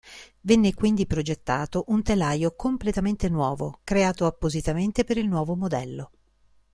Venne quindi progettato un telaio completamente nuovo, creato appositamente per il nuovo modello.